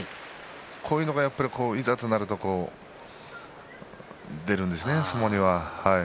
こういうのが、いざとなると出るんですね、相撲には。